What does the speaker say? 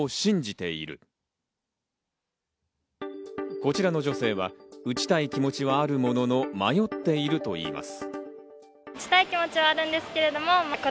こちらの女性は打ちたい気持ちはあるものの迷っているといいます。